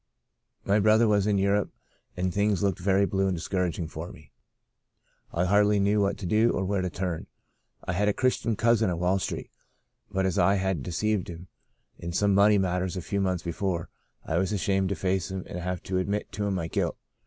My brother was in Europe, and things looked very blue and discouraging for me. I hardly knew what to do or where to turn. I had a Chris tian cousin on Wall Street, but as I had de ceived him in some money matters a few months before, I was ashamed to face him and have to admit to him my guilt.